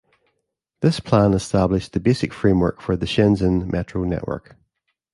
This plan established the basic framework for the Shenzhen Metro network.